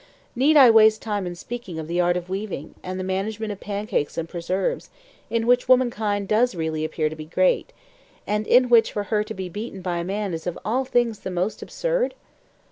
Need I waste time in speaking of the art of weaving, and the management of pancakes and preserves, in which womankind does really appear to be great, and in which for her to be beaten by a man is of all things the most absurd?